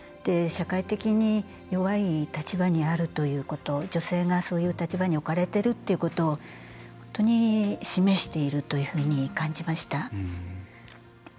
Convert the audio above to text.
社会的に弱い立場にあるということ女性がそういう立場に置かれているっていうことを本当に示していると感じました。